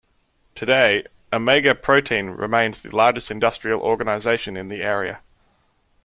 Today, Omega Protein remains the largest industrial organization in the area.